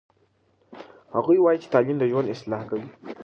هغوی وایي چې تعلیم د ژوند اصلاح کوي.